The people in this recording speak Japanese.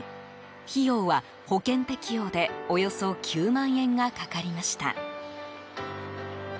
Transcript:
費用は保険適用でおよそ９万円がかかりました。